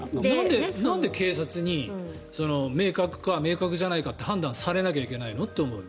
なんで警察に明確か、明確じゃないかって判断されないといけないの？って思う。